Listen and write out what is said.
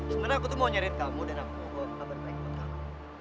sebenernya aku tuh mau nyariin kamu dan aku mau bawa kabar baik buat kamu